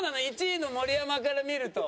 １位の盛山から見ると。